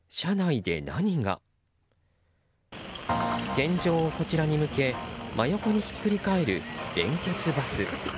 天井をこちらに向け真横にひっくり返る連結バス。